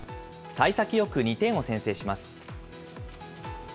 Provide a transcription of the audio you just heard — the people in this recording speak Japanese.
さい先よく２点を先制します。